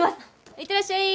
いってらっしゃい！